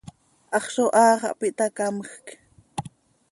¡Hax zo haa xah piih ta, camjc!